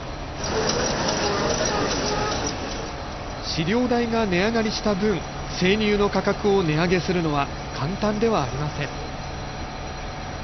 飼料代が値上がりした分、生乳の価格を値上げするのは簡単ではありません。